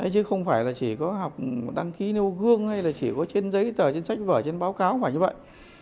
chứ không phải là chỉ có học đăng ký nêu gương hay là chỉ có trên giấy tờ trên sách vở trên báo cáo không phải như vậy